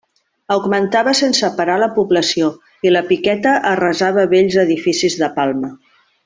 Augmentava sense parar la població i la piqueta arrasava vells edificis de Palma.